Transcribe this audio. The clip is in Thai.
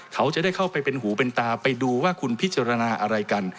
เขาจะได้เข้าไปเป็นหูเป็นตาไปดูว่าคุณพิจารณาอะไรกัน